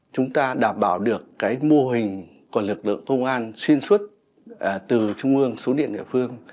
chúng ta đảm bảo được cái mô hình của lực lượng công an xuyên suốt từ trung ương xuống địa địa phương